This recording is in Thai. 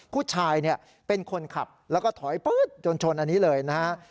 ผู้ชายเป็นคนขับแล้วก็ถอยปื๊ดจนชนอันนี้เลยนะฮะ